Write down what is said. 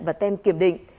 và tem kiểm định